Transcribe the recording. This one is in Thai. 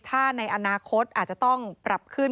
ถ้าในอนาคตอาจจะต้องปรับขึ้น